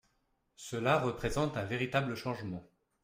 Cela représente un véritable changement.